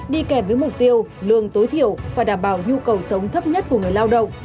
đi kèm với mục tiêu lương tối thiểu và đảm bảo nhu cầu sống thấp nhất của người lao động